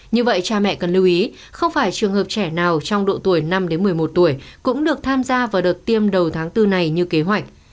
như vậy cha mẹ cần lưu ý không phải trường hợp trẻ nào trong độ tuổi năm một mươi một tuổi cũng được tham gia vào đợt tiêm đầu tháng bốn này như kế hoạch